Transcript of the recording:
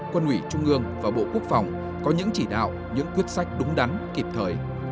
quân ủy trung ương và bộ quốc phòng có những chỉ đạo những quyết sách đúng đắn kịp thời